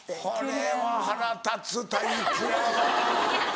これは腹立つタイプやわ。